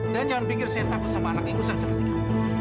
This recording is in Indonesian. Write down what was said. dan jangan pikir saya takut sama anak ingus yang seperti kamu